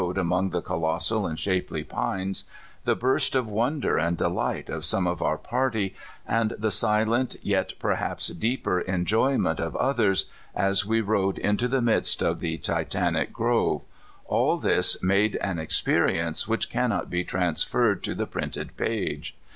ad among the colossal and shapely pines ; the burst of won der and delight of some of our party, and the silent yet perhaps deeper enjoyment of others, as we rode into the midst of the Titanic grove — all this made an experience which cannot be transferred to the printed page.